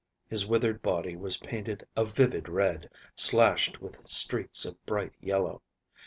His withered body was painted a vivid red, slashed with streaks of bright yellow.